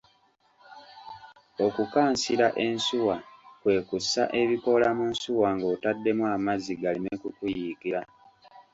Okukansira ensuwa kwe kussa ebikoola mu nsuwa ng’otaddemu amazzi galeme ku kuyiikira.